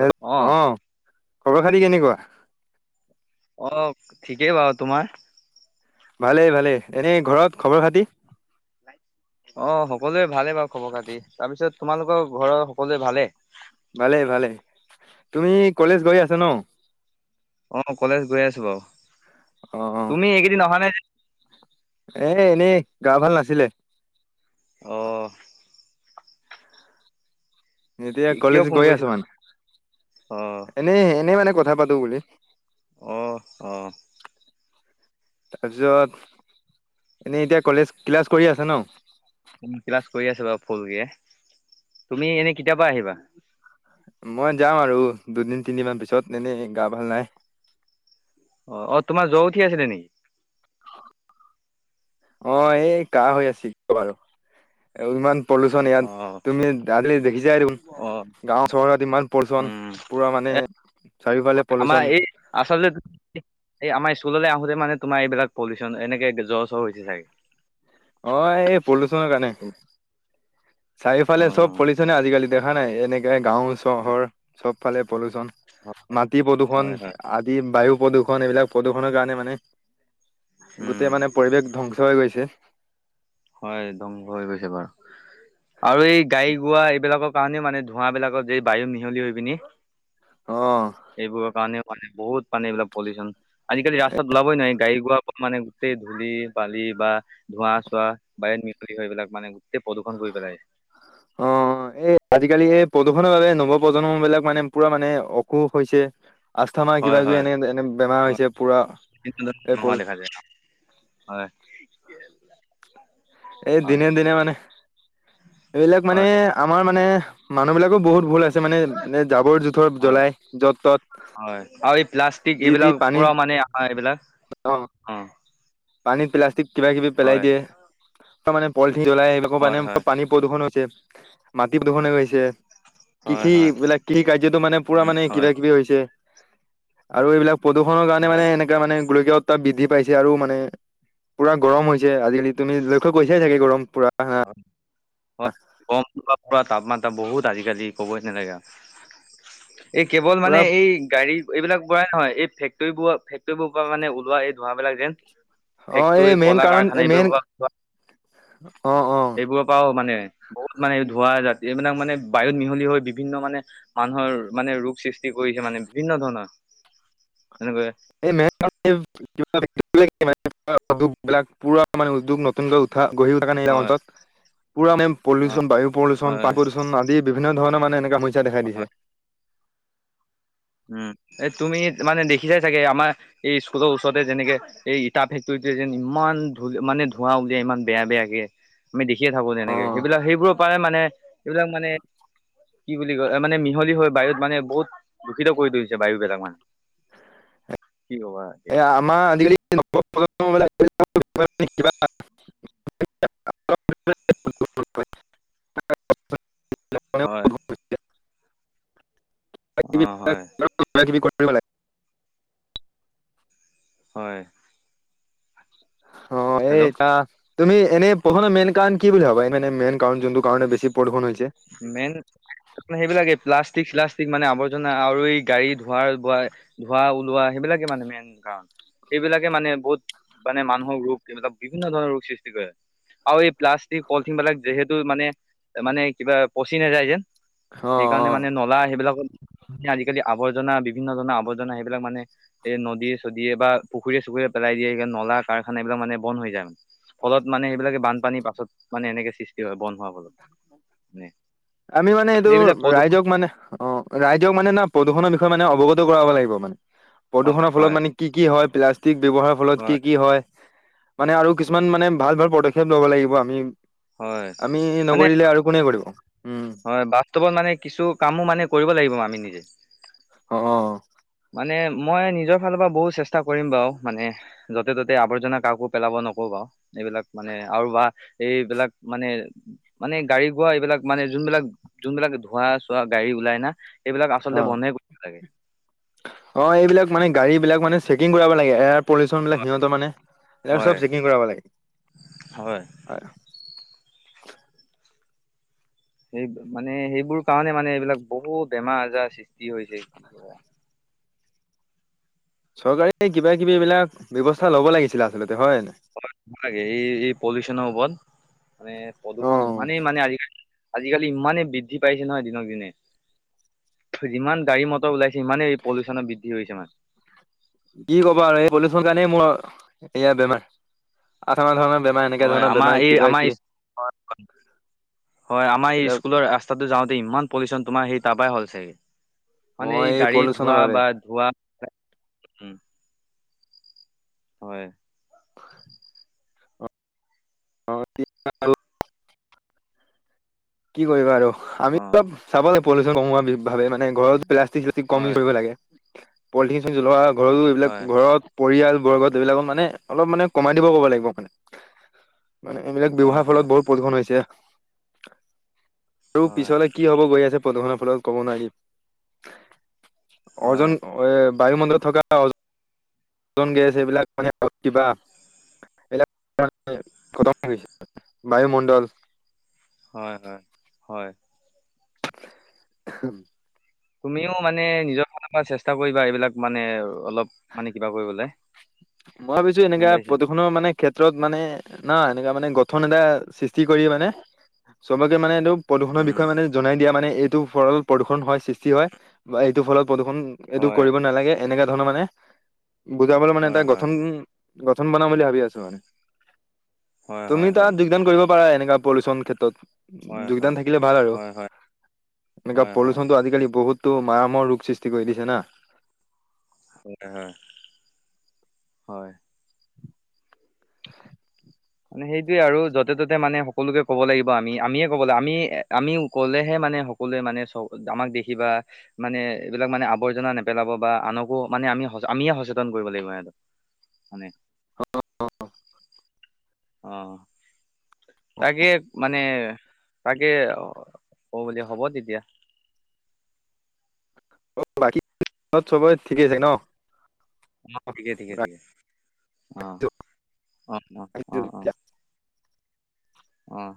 Hello অ' খবৰ খাতি কেনেকুৱা? অ', ঠিকেই বাৰু, তোমাৰ? ভালেই ভালে এনেই ঘৰত খবৰ খাতি? অ, সকলোৱে ভালে বাৰু খবৰ খাতি তাৰপিছত তোমালোকৰ ঘৰৰ সকলোৱে ভালে? ভালেই ভালে তুমি কলেজ গৈ আছা ন? অ, কলেজ গৈ আছো বাৰু। অ', অ', তুমি এইকেইদিন অহা নাই যে? এ এনেই গা ভাল নাছিলে। অ', এতিয়া কি কিয় কলেজ ফোন গৈ আছ কৰিছিলা মানে অ এনে - এনেই মানে কথা পাতো বুলি। অ ', অ', তাৰপিছত এনেই এতিয়া কলেজ ক্লাছ কৰি আছা ন? ক্লাছ কৰি আছে বাৰু ফুলকে তুমি এনে কেতিয়াৰ পা আহিবা? মই যাম আৰু দুদিন তিনদিনমান পিছত এনেই গা ভাল নাই। অ', অ', তোমাৰ জ্বৰ উঠি আছিলে নেকি? অ, এই কাঁহ হৈ আছে [unintelligible] বাৰু ইমান পলিউচন ইয়াত অ তুমি দি দেখিছাই দেখোন। অ গাঁও চহৰত ইমান পলুচন উম পূৰা মানে এ চাৰিওফালে আমাৰ পলোচন। এই আচলতে এই আমাৰ স্কুললৈ আহোতে মানে তোমাৰ এইবিলাক পলিউচন এনেকে জ্বৰ চৰ হৈছে চাগে। অ, এই পলুচনৰ কাৰণে। অ চাৰিওফালে চব পলুচনে আজিকালি দেখা নাই এনেকে গাঁও চহৰ চবফালে পলুচন। মাটি প্ৰদূৰ্ষণ হয় হয় আদি বায়ু প্ৰদূৰ্ষণ এইবিলাক প্ৰদূৰ্ষণৰ কাৰণে মানে উম গোটেই মানে পৰিৱেশ ধ্বংস হৈ গৈছে। হয় ধ্বংস হৈ গৈছে বাৰু আৰু এই গাড়ী গোৱা এইবিলাকক কাৰণে মানে ধোঁৱা বিলাকত এই বায়ু মিহলি হৈ পিনি। অ', এইবোৰৰ কাৰণেও মানে বহুত মানে এইবিলাক মানে পলুচন আজিকালি ৰাস্তাত ওলাবই নোৱাৰি গাড়ী গোৱা মানে গোটেই ধূলি বালি বা ধোৱা চোৱা বায়ুত মিহলি হৈ পেলাই মানে গোটেই প্ৰদূষণ কৰি পেলাইগে। অ', অ, এই আজিকালি এই প্ৰদূষণৰ বাবে নৱ প্ৰজন্ম বিলাক মানে পুৰা মানে অসুখ হৈছে। আস্থামা কিবা হয় কিবি হয় এনে এনে বেমাৰ হয় হৈছে পূৰা বিভিন্ন এই ধৰণৰ হোৱা পলু দেখা যায় হয়। এই হয় দিনে - দিনে মানে এইবিলাক মানে হয় আমাৰ মানে মানুহ বিলাকো বহুত ভুল আছে মানে এ জাবৰ জোথৰ হয় জ্বলাই য'ত ত'ত হয় আৰু এই প্লাষ্টিক যি তি এইবিলাক পানীত পৰা মানে আমাৰ এইবিলাক অ, পানীত প্লাষ্টিক কিবা কিবি পেলাই হয় দিয়ে ত মানে পলিথিন জ্বলাই বাকো হয় হয় মানে পানী প্ৰদূষণ হৈছে মাটি প্ৰদূষণ হৈ গৈছে। হয় কৃষি হয় বিলাক কৃষি কাৰ্যতো মানে পুৰা মানে হয় কিবা কিবি হৈছে আৰু এইবিলাক প্ৰদূষণৰ কাৰণে মানে হয় এনেককা মানে গোলকীয় উত্তাপ বৃদ্ধি পাইছে আৰু মানে পুৰা গৰম হৈছে আজিকালি তুমি লক্ষ্য কৰিছাইে চাগে গৰম পুৰা। হয় বম তাপমাত্ৰা বহুত আজিকালি ক'বই নালাগে। [inaudible] এই কেৱল পুৰা মানে এই গাড়ী এইবিলাক বঢ়াই হয় এই ফেক্টৰীবোৰ ফেক্টৰীবোৰ পৰা মানে ওলোৱা এই ধোঁৱাবিলাক যেন। অ এই ফেক্টৰী মেইন ক'লা কাৰণ কাৰখানা মেইন এইবিলাক পৰা ওলোৱা অ', অ'। বোৰৰ পৰাও মানে বহুত মানে ধোৱা জাত এইবিলাক মানে বায়ুত মিহলি হৈ বিভিন্ন মানে মানুহৰ মানে ৰোগ সৃষ্টি কৰিছে মানে বিভিন্ন ধৰণৰ, এনেকৈ। [unintelligible] নতুনকৈ উঠা গঢ়ি উঠা কাৰণে হয় অঞ্চলত পুৰা মানে হয় পলিউশ্যন বায়ু পলিউশ্যন [unintelligible] হয় পলিউশ্যন আদি। বিভিন্ন ধৰণৰ মানে এনেকা সমস্যা দেখাই হয় দিছে। উম, এই তুমি মানে লিখি চাই চাগে আমাৰ এই স্কুলৰ ওচৰতে যে যেনেকে এই ইটা ফেক্টৰীটোৱে যেন ইমান ধ মানে ধোঁৱা উলিয়াই ইমান বেয়া বেয়াকে। আমি দেখিয়ে থাকো অ তেনেকে সেইবিলাক সেইবোৰৰ পৰাই মানে এইবিলাক মানে কি বুলি কয় মানে মিহলি বায়ুত মানে বহুত দূষিত কৰি তুলিছে বায়ু বিলাক মানে কি কবা। এতিয়া। এয়া আমাৰ আজিকালি নবপ্ৰজন্মবিলাক [unintelligible] মানে হয়। কিবি অ', হয়। কিবা কিবি কৰিব লাগে। হয়। অ', হেল্ল' এইটা তুমি এনে প্ৰদূষণৰ মেইন কাৰণ কি বুলি ভাবা, এ মানে মেইন কাৰণ যোনটো কাৰণে বেছি প্ৰদূষন হৈছে? মেইন সেইবিলাক এই প্লাষ্টিক-চ্লাষ্টিক আৱৰ্জনা আৰু এই গাড়ী ধোৱা বোৱা ধোৱা ওলোৱা সেইবিলাকে মানে মেইন কাৰণ। এইবিলাকে মানে বহুত মানে মানুহৰ ৰোগ এইবিলাক বিভিন্ন ধৰণৰ ৰোগ সৃষ্টি কৰে। আৰু এই প্লাষ্টিক পলিথিন বিলাক যিহেতু মানে মানে কিবা পচি নাযায় যে। অ সেইকাৰণে অ মানে ন'লা সেইবিলাকত আজিকালি আৱৰ্জনা বিভিন্ন ধৰণৰ আৱৰ্জনা সেইবিলাক মানে এই নদী-চদীয়ে বা পুখুৰীয়ে-চুখুৰীয়ে পেলাই দিয়ে সেইকাৰণে নলা কাৰখানা এইবিলাক মানে বন্ধ হৈ যায় মানে। ফলত মানে এইবিলাকে বানপানীৰ পাছত মানে এনেকে সৃষ্টি হয় বন হোৱাৰ ফলত মানে। আমি মানে এইটো এইবিলাক প্ৰদূষণ ৰাইজক মানে অ' ৰাইজক মানে না প্ৰদূষণৰ বিষয়ে মানে অৱগত কৰাব লাগিব মানে। হয় প্ৰদূষণৰ ফলত হয় মানে কি কি হয়, প্লাষ্টিক ব্যৱহাৰৰ ফলত কি কি হয়। মানে আৰু কিছুমান মানে ভাল ভাল পদক্ষেপ লব লাগিব আমি, হয় আমি মানে নকৰিলে আৰু কোনে কৰিব? উম হয়, বাস্তৱত মানে কিছু কামো মানে কৰিব লাগিব আমি নিজে। অ', অ'। মানে মই নিজৰ ফালৰ পৰা বহুত চেষ্টা কৰিম বাৰু মানে য'তে ত'তে আৱৰ্জনা কাকো পেলাব নকও বাৰু। এইবিলাক মানে আৰু বা এইবিলাক মানে মানে গাড়ী গোৱা এইবিলাক মানে যোনবিলাক যোনবিলাক ধোৱা-চোৱা গাড়ী ওলাই না। এইবিলাক অ আচলতে বন্ধ অ', এইবিলাক মানে গাড়ী বিলাক মানে চেকিং কৰাব লাগে, এয় পলিউশ্যন বিলাক হয় সিহতৰ মানে এইবাক চব হয় চেকিং কৰাব লাগে, হয়। সেই মানে সেইবোৰ কাৰণে মানে এইবিলাক বহুত বেমাৰ-আজাৰ সৃষ্টি হৈছে, কি কব। চৰকাৰে কিবা কিব এইিবিলাক ব্যয়ৱস্থা ল'ব লাগিছিলে আচলতে হয় নাই? [unintelligible] এই এই পলিউচনৰ ওপৰত মানে প্ৰদূষণ ইমানেই মানে আজালি আজিকালি ইমানেই বৃদ্ধি পাইছে নহয় দিনক দিনে। যিমান গাড়ী-মটৰ ওলাইছে ইমানেই এই পলিউশ্যন বৃদ্ধি হৈছে মানে। কি ক'বা আৰু এই পলিউচনৰ কাৰণে মোৰ এয়া বেমাৰ [unintelligible] হয় আমাৰ বেমাৰ এই কিবা কিবি আমাৰ হয় আমাৰ এই স্কুলৰ আ! ৰাস্তাটো যাওঁতে ইমান পলিউচন তোমাৰ সেই তাৰ পৰাই হ'ল চাগে, মানে মই এই গাড়ী পলিউচনৰ ধোৱা বাবে বা ধোৱা উম, হয়। [inaudible] অঁতি ভাল। কি কৰিব আৰু আমি অ অলপ চাব লাগে পলিচন কমোৱা ভাবে মানে ঘৰত প্লা! কমি হয় ধৰি লাগে, পলিথিনচ্ জ্বলোৱা ঘৰো এইবিলাক হয় ঘৰত! পৰিয়াল বৰ্গত এইবিলাকত অলপ মানে কমাই দিব ক'ব লাগিব মানে। মানে এইবিলাক হয় ব্যৱহাৰ হয় ফলত বহুত প্ৰদূষণ হৈছে। আৰু হয় পিছলে কি হ'ব গৈ আছে প্ৰদূষণৰ ফলত ক'ব নোৱাৰি, হয় অজন অ এ বায়ুমণ্ডত থকা ওজন গেছ সেইবিলাক মানে কিবা। এতিয়া [unintelligible] বায়ুমণ্ডল হয়, হয়, হয়। উম তুমিও মানে নিজৰ ফালৰ পৰা চেষ্টা কৰিবা এইবিলাক মানে অলপ মানে কিবা কৰিবলৈ। মই ভাবিছো গম এনেকা পাইছা প্ৰদূষণৰ মানে ক্ষেত্ৰত মানে না এনেকুৱা মানে গঠন এটা সৃষ্টি কৰি মানে চবকে মানে এইটো! প্ৰদূষণৰ উম বিষয়ে মানে জনাই দিয়া মানে এইটো ফলত প্ৰদূষণ হয়, সৃষ্টি হয় বা এইটো ফলত প্ৰদূষণ এইটো হয় কৰিব নালাগে এনেকা ধৰণৰ মানে বুজাবলৈ মানে এটা হয় গ! হয় উম গঠন বনাম বুলি ভাবি আছো মানে, আৰু হয় তুমি হয় তাত! হয় যোগদান কৰিব পাৰা এনেকা পলিউশ্যন ক্ষেত্ৰত হয় যোগদান হয় থাকিলে ভাল আৰু। হয় হয় এনেকোৱা হয় হয় পলিউশ্যনটো আজিকালি বহুতো মায়ামহৰ ৰোগ সৃষ্টি কৰি দিছে না। [unintelligible] হয় [inaudible] মানে সেইটোয়ে আৰু য'তে ত'তে মানে সকলোকে ক'ব লাগিব আমি আমিয়ে ক'ব লাগে আমি আমি ক'লেহে মানে! সকলে মানে চ আমাক দেখিবা! মানে এইবিলাক আৱৰ্জনা বা আনকো মানে আমি আমিয়ে সচেতন কৰিব লাগিব সিহঁত। [unintelligible] অ তাকে মানে, অ তাকে! অ' বলে হ'ব তেতিয়া। অ বাকী [unintelligible] সবৰে ঠিকেই আছে ন? অ ঠিকে ঠিকে ঠিকে, অ ৰাখিছোঁ অ অ অ অ! ৰাখিছোঁ অ